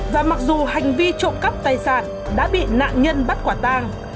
và mặc dù hành vi trộm cắp tài sản đã bị nạn nhân bắt quả tàng